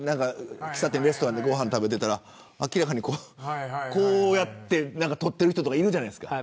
レストランで食べていたら明らかにこうやって撮っている人いるじゃないですか。